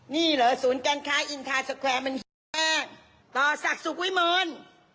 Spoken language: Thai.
นี่เหรอศูนย์การค้ายอินทราสเกวอร์มันต่อศักดิ์สุขวิมนศ์